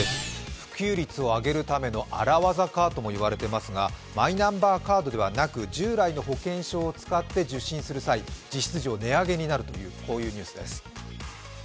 普及率を上げるための荒技かと言われていますがマイナンバーカードではなく従来の保険証を使って受診する際、実質値上げになるというニュースです。